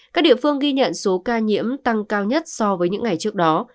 các địa phương ghi nhận số ca nhiễm tăng cao nhất so với những ngày trước đó